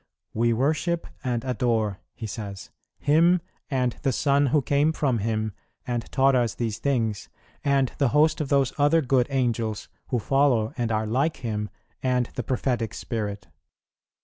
"We worship and adore," he says, "Him, and the Son who came from Him and taught us these things, and the host of those other good Angels, who follow and are like Him, and the Prophetic Spirit."